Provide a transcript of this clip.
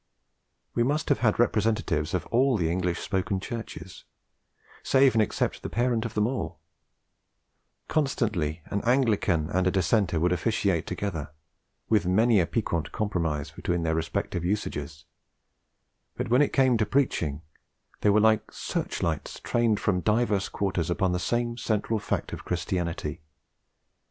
We must have had representatives of all the English spoken Churches, save and except the parent of them all; constantly an Anglican and a Dissenter would officiate together, with many a piquant compromise between their respective usages; but when it came to preaching, they were like searchlights trained from divers quarters upon the same central fact of Christianity.